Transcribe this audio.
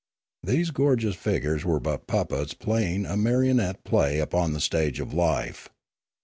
These gorgeous figures were but puppets playing a marionette play upon the stage of life.